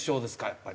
やっぱり。